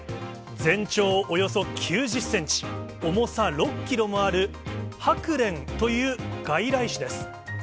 全長およそ９０センチ、重さ６キロもあるハクレンという外来種です。